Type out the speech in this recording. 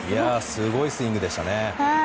すごいスイングでしたね。